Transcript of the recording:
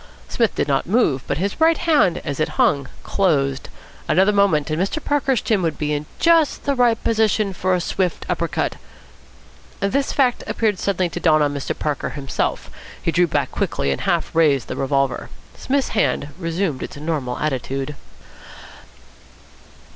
Psmith did not move, but his right hand, as it hung, closed. Another moment and Mr. Parker's chin would be in just the right position for a swift upper cut. .. This fact appeared suddenly to dawn on Mr. Parker himself. He drew back quickly, and half raised the revolver. Psmith's hand resumed its normal attitude.